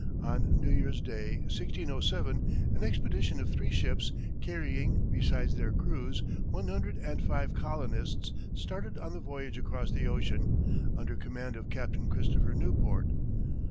On New Year's Day, 1607, an expedition of three ships, carrying, besides their crews, one hundred and five colonists, started on the voyage across the ocean, under command of Captain Christopher Newport.